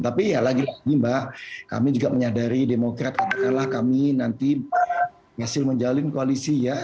tapi ya lagi lagi mbak kami juga menyadari demokrat katakanlah kami nanti hasil menjalin koalisi ya